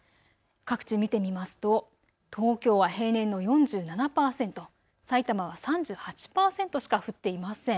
各地、見てみますと東京は平年の４７％、さいたまは３８％しか降っていません。